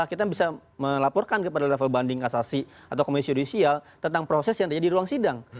karena kami sudah melaporkan ke level banding kasasi atau komisi judicial tentang proses yang terjadi di ruang sidang